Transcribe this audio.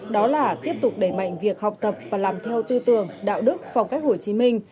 đó là tiếp tục đẩy mạnh việc học tập và làm theo tư tưởng đạo đức phong cách hồ chí minh